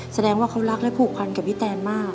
แสดงว่าเขารักและผูกพันกับพี่แตนมาก